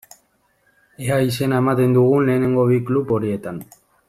Ea izena ematen dugun lehenengo bi klub horietan.